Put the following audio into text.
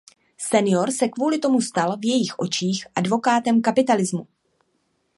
Senior se kvůli tomu stal v jejich očích „advokátem kapitalismu“.